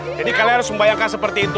nah jadi kalian harus membayangkan seperti itu